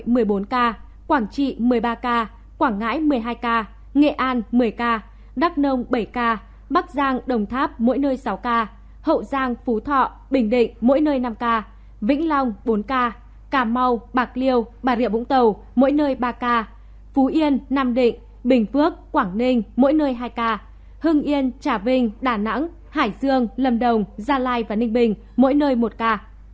tp hcm hai bảy trăm hai mươi ba ca bình dương một năm trăm một mươi bảy ca đồng nai một mươi năm ca quảng ngãi một mươi hai ca nghệ an một mươi ca đắk nông bảy ca bắc giang đồng tháp mỗi nơi sáu ca hậu giang phú thọ bình định mỗi nơi năm ca vĩnh long bốn ca cà mau bạc liêu bà rịa vũng tàu mỗi nơi ba ca phú yên nam định bình phước quảng ninh mỗi nơi hai ca hưng yên trà vinh đà nẵng hải dương lâm đồng gia lai và ninh bình mỗi nơi một ca